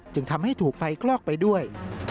จึงทำให้ถูกไฟคลอกไปด้วย